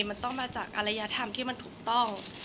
มันต้องมาจากอรยธรรมที่มันถูกต้อง